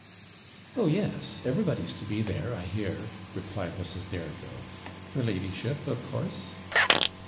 'Oh yes! everybody's to be there, I hear,' replied Mrs. Dareville. 'Your ladyship, of course?'